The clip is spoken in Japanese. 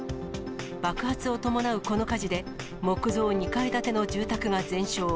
爆発を伴うこの火事で、木造２階建ての住宅が全焼。